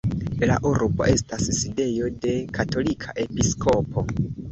La urbo estas sidejo de katolika episkopo.